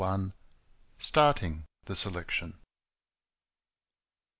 Starting the Selection.